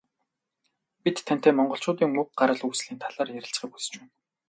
Бид тантай Монголчуудын уг гарал үүслийн талаар ярилцахыг хүсэж байна.